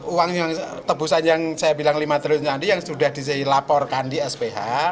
uang yang tebusan yang saya bilang lima triliun tadi yang sudah dilaporkan di sph